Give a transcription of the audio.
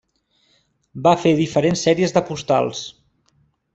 Va fer diferents sèries de postals.